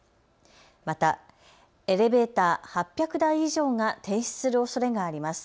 またエレベーター８００台以上が停止するおそれがあります。